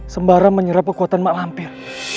sembara menyerap kekuatan mak lampir